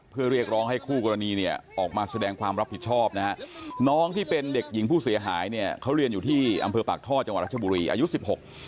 เพื่อเรียกร้องให้คู่กรณีเนี่ยออกมาแสดงความรับผิดชอบนะฮะน้องที่เป็นเด็กหญิงผู้เสียหายเนี่ยเขาเรียนอยู่ที่อำเภอปากท่อจังหวัดรัชบุรีอายุสิบหก